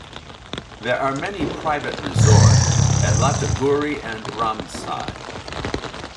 There are many private resort at Lataguri and Ramsai.